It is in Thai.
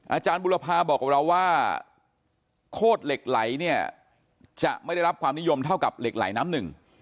อาจารย์บุรพาบอกกับเราว่าโคตรเหล็กไหลเนี่ยจะไม่ได้รับความนิยมเท่ากับเหล็กไหลน้ำหนึ่ง